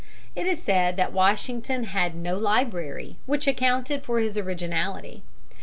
It is said that Washington had no library, which accounted for his originality.